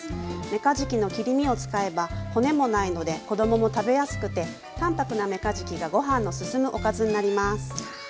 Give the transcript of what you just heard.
めかじきの切り身を使えば骨もないので子供も食べやすくて淡泊なめかじきがご飯のすすむおかずになります。